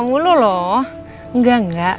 mulu loh enggak enggak